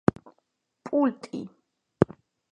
პულტი